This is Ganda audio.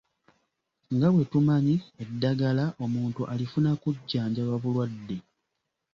Nga bwe tumanyi eddagala omuntu alifuna kujjanjaba bulwadde.